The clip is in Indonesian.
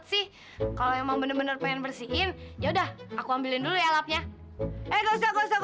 sih kalau emang bener bener pengen bersihin ya udah aku ambilin dulu ya lapnya eh gausah gausah